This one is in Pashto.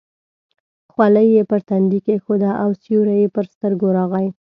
خولۍ یې پر تندي کېښوده او سیوری یې پر سترګو راغی.